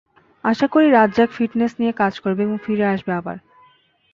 আশা করি, রাজ্জাক ফিটনেস নিয়ে কাজ করবে এবং ফিরে আসবে আবার।